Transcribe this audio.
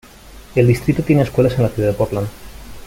El distrito tiene escuelas en la Ciudad de Portland.